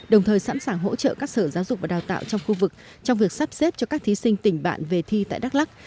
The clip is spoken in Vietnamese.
đồng thời sẵn sàng hỗ trợ các sở giáo dục và đào tạo trong khu vực trong việc sắp xếp cho các thí sinh tỉnh bạn về thi tại đắk lắc